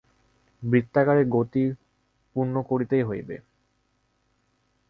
বৃত্তাকারে গতি পূর্ণ করিতেই হইবে।